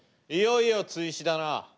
いよいよ追試だな。